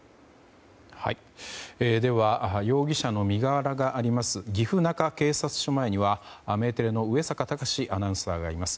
では、容疑者の身柄がある岐阜中警察署前には、メテレの上坂嵩アナウンサーがいます。